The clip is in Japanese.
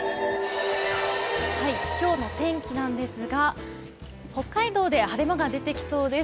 今日の天気ですが、北海道で晴れ間が出てきそうです。